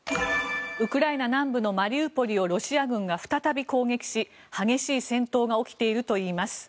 ウクライナ南部のマリウポリをロシア軍が再び攻撃し激しい戦闘が起きているといいます。